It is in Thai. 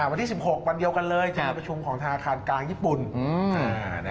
วันที่๑๖วันเดียวกันเลยจะไปประชุมของธนาคารกลางญี่ปุ่น